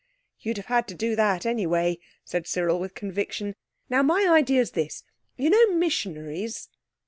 "You'd have had to do that anyway," said Cyril with conviction. "Now, my idea's this. You know missionaries?"